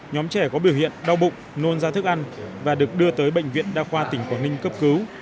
nhóm trẻ có biểu hiện đau bụng nôn ra thức ăn và được đưa tới bệnh viện đa khoa tỉnh quảng ninh cấp cứu